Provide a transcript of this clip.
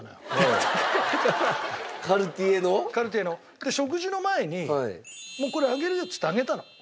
で食事の前にもう「これあげるよ」っつってあげたの。